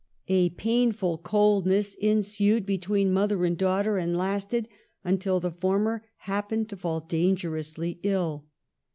A painful coldness en sued between mother and daughter, and lasted until the former happened to fall dangerously ill.